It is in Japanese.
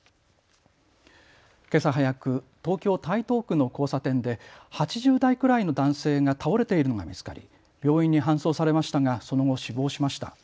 けさ早く、東京台東区の交差点で８０代くらいの男性が倒れているのが見つかり、病院に搬送されましたが、その後死亡しました。